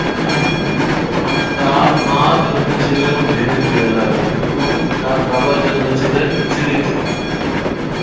তার মা জন্মেছিলেন ভেনিজুয়েলায় এবং তার বাবা জন্মেছিলেন চিলিতে।